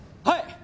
はい！